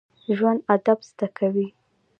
ژوندي ادب زده کوي